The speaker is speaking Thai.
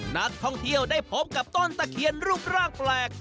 นักท่องเที่ยวได้พบกับต้นตะเคียนรูปร่างแปลก